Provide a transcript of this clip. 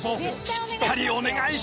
しっかりお願いします］